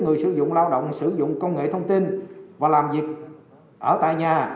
người sử dụng lao động sử dụng công nghệ thông tin và làm việc ở tại nhà